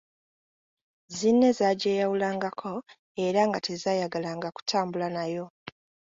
Zzinne zaagyeyawulangako era nga tezaayagalanga kutambula nayo.